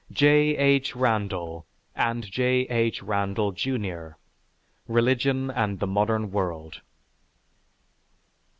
(_J. H. Randall and J. H. Randall, Jr.: "Religion and the Modern World."